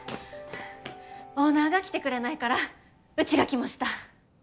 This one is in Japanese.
オーナーが来てくれないからうちが来ました。